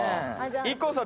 ＩＫＫＯさん